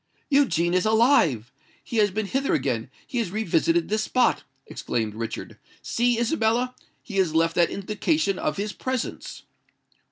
"Eugene is alive! He has been hither again—he has revisited this spot!" exclaimed Richard. "See, Isabella—he has left that indication of his presence."